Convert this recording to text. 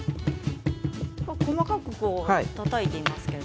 細かくたたいていますけれど。